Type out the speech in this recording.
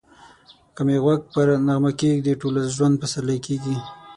که می غوږ پر نغمه کښېږدې ټوله ژوند پسرلی کېږی